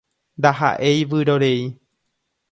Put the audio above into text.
Ndahaʼéi vyrorei.